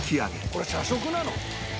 「これ社食なの？」